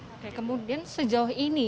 oke kemudian sejauh ini